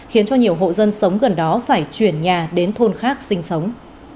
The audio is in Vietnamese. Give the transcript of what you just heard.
khiến cho nhiều hộ dân sống gần đó phải chuyển nhà đến thôn khác sinh sống